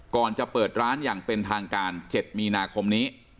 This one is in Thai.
ก่อนจะเปิดร้านอย่างเป็นทางการ๗มีนาคมนี้